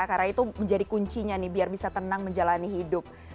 karena itu menjadi kuncinya nih biar bisa tenang menjalani hidup